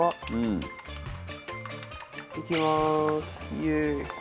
イエーイ。